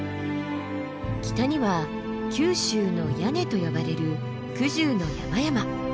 北には九州の屋根と呼ばれるくじゅうの山々。